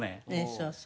そうそう。